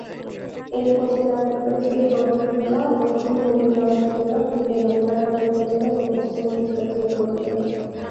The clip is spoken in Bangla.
এ উপজেলার উত্তরে শিবগঞ্জ উপজেলা, দক্ষিণে নন্দীগ্রাম উপজেলা, পূর্বে বগুড়া সদর উপজেলা এবং পশ্চিমে দুপচাঁচিয়া উপজেলা।